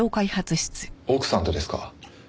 奥さんとですか？